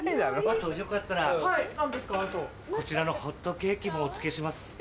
あとよかったらこちらのホットケーキもお付けします。